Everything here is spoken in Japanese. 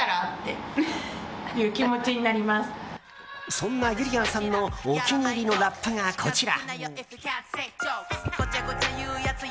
そんな、ゆりやんさんのお気に入りのラップがこちら。